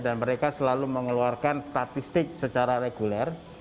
mereka selalu mengeluarkan statistik secara reguler